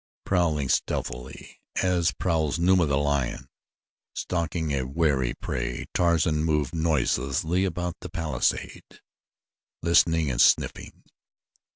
Prowling stealthily as prowls Numa, the lion, stalking a wary prey, Tarzan moved noiselessly about the palisade, listening and sniffing.